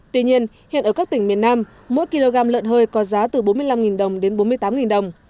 tuy nhiên hiện ở các tỉnh miền nam mỗi kg lợn hơi có giá từ bốn mươi năm đồng đến bốn mươi tám đồng